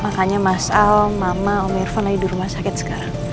makanya mas al mama om irfan lagi di rumah sakit sekarang